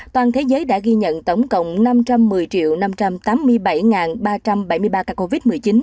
toàn thế giới đã ghi nhận tổng cộng năm trăm một mươi năm trăm tám mươi bảy ba trăm bảy mươi ba ca covid một mươi chín